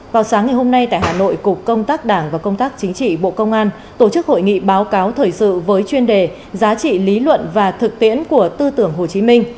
vào sáng ngày hôm nay tại hà nội cục công tác đảng và công tác chính trị bộ công an tổ chức hội nghị báo cáo thời sự với chuyên đề giá trị lý luận và thực tiễn của tư tưởng hồ chí minh